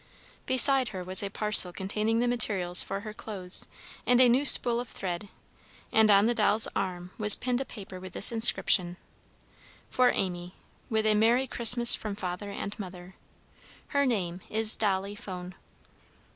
Beside her was a parcel containing the materials for her clothes and a new spool of thread, and on the doll's arm was pinned a paper with this inscription: "For Amy, with a Merry Christmas from Father and Mother. "_Her name is Dolly Phone.